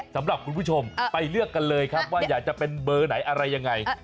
สำหรับคุณผู้ชมไปเลือกกันเลยครับว่าอยากจะเป็นเบอร์ไหนอะไรยังไง